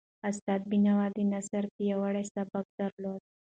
استاد بینوا د نثر پیاوړی سبک درلود.